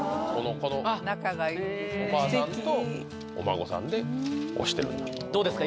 このおばあさんとお孫さんで推してるんだどうですか？